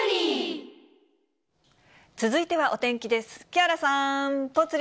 続いてはお天気です。